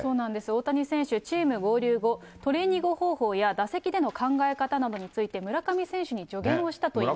大谷選手、チーム合流後、トレーニング方法や打席での考え方などについて、村上選手に助言をしたといいます。